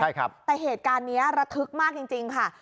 ใช่ครับแต่เหตุการณ์นี้ระทึกมากจริงค่ะ